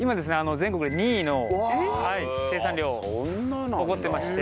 全国で２位の生産量を誇ってまして。